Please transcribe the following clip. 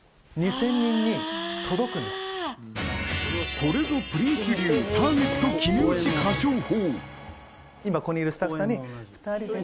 これぞプリンス流、ターゲット決め打ち歌唱法。